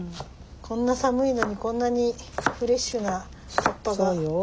こんな寒いのにこんなにフレッシュな葉っぱが。